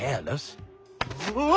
うわ！